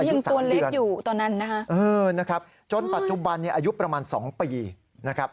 ยังตัวเล็กอยู่ตอนนั้นนะฮะเออนะครับจนปัจจุบันเนี่ยอายุประมาณ๒ปีนะครับ